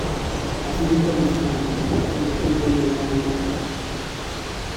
Ha sido internacional con la Selección de fútbol de Ghana en una ocasión.